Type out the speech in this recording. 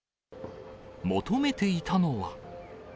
求めていたのは。